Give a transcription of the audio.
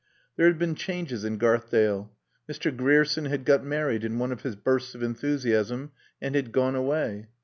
There had been changes in Garthdale. Mr. Grierson had got married in one of his bursts of enthusiasm and had gone away.